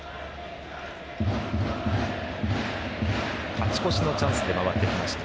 勝ち越しのチャンスで回ってきました。